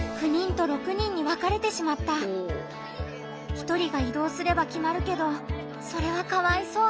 １人が移動すれば決まるけどそれはかわいそう。